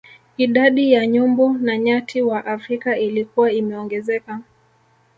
Idadi ya nyumbu na nyati wa Afrika ilikuwa imeongezeka